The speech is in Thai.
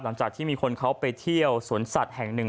หลังจากที่มีคนเขาไปเที่ยวสวนสัตว์แห่งหนึ่ง